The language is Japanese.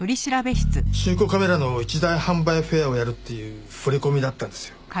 中古カメラの一大販売フェアをやるっていう触れ込みだったんですよ。